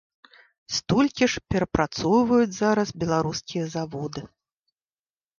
Столькі ж перапрацоўваюць зараз беларускія заводы.